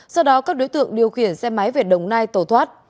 sau đó các đối tượng điều khiển xe máy về đồng nai tổ thoát